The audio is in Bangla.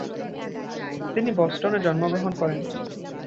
তিনি বস্টনে জন্মগ্রহণ করেন।